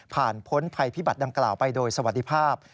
พ้นภัยพิบัติดังกล่าวไปโดยสวัสดีภาพ